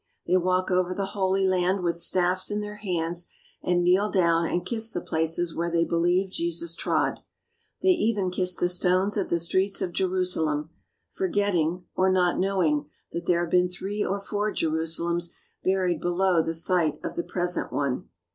They walk over the Holy Land with staffs in their hands, and kneel down and kiss the places where they believe Jesus trod. They even kiss the stones of the streets of Jerusalem, forgetting or not knowing that there have been three or four Jerusalems buried below the site of the present one.